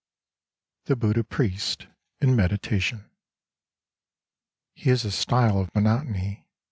lOO THE BUDDHA PRIEST IN MEDITATION He is a style of monotony.